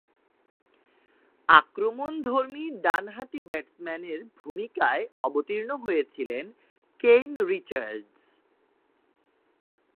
আক্রমণধর্মী ডানহাতি ব্যাটসম্যানের ভূমিকায় অবতীর্ণ হয়েছিলেন কেন রিচার্ডস।